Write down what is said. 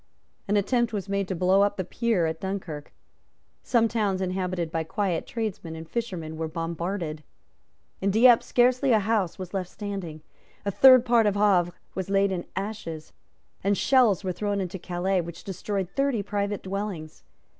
An attempt was made to blow up the pier at Dunkirk. Some towns inhabited by quiet tradesmen and fishermen were bombarded. In Dieppe scarcely a house was left standing; a third part of Havre was laid in ashes; and shells were thrown into Calais which destroyed thirty private dwellings.